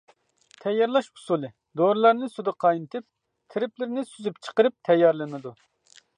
تەييارلاش ئۇسۇلى: دورىلارنى سۇدا قاينىتىپ، تىرىپلىرىنى سۈزۈپ چىقىرىپ تەييارلىنىدۇ.